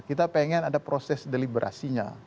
kita pengen ada proses deliberasinya